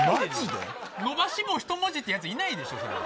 伸ばし棒を一文字ってやつ、いないでしょ。